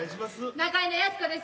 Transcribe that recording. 仲居の靖子です。